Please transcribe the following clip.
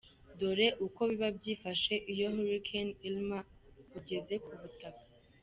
Dore uko biba byifashe iyo Hurricane Irma ugeze ku butaka.